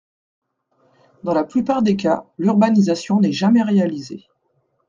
Dans la plupart des cas, l’urbanisation n’est jamais réalisée.